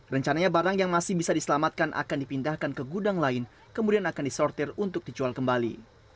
rencananya barang yang masih bisa diselamatkan akan dipindahkan ke gudang lain kemudian akan disortir untuk dijual kembali